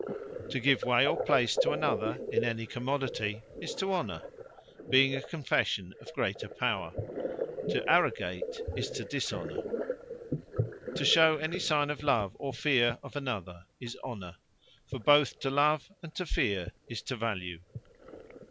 To give way, or place to another, in any Commodity, is to Honour; being a confession of greater power. To arrogate, is to Dishonour. To shew any signe of love, or feare of another, is to Honour; for both to love, and to feare, is to value.